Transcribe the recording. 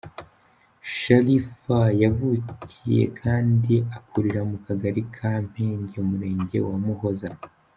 Sharifa yavukiye kandi akurira mu Kagari ka Mpenge, Umurenge wa Muhoza,.